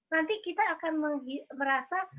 nanti kita akan merasa